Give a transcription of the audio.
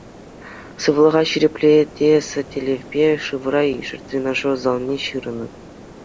Сывлӑха ҫирӗплетес тӗллевпе шывра ишӗр, тренажер залне ҫырӑнӑр.